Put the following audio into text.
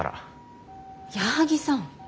矢作さん。